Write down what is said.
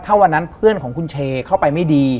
ถ้าวันนั้นเพื่อนของคุณเชเข้าไปไม่ดี